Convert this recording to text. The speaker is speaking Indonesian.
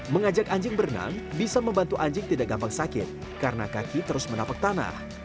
mengajak anjing berenang bisa membantu anjing tidak gampang sakit karena kaki terus menapak tanah